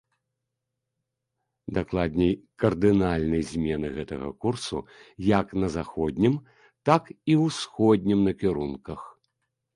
Дакладней, кардынальнай змены гэтага курсу як на заходнім, так і ўсходнім накірунках.